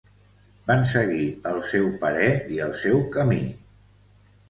Van seguir el seu parer i el seu camí